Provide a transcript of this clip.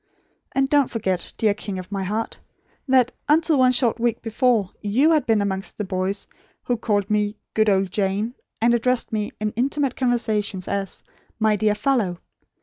And don't forget, dear King of my heart, that, until one short week before, you had been amongst the boys who called me 'good old Jane,' and addressed me in intimate conversation as 'my dear fellow'!